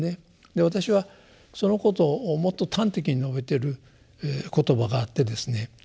で私はそのことをもっと端的に述べている言葉があってですね。